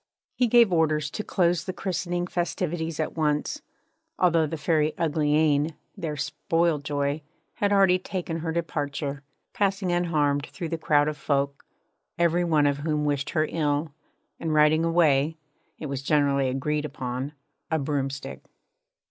He gave orders to close the christening festivities at once, although the Fairy Uglyane, their spoil joy, had already taken her departure; passing unharmed through the crowd of folk, every one of whom wished her ill, and riding away it was generally agreed upon a broomstick.